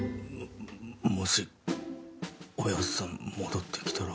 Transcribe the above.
もしおやっさん戻ってきたら？